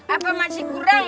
apa masih kurang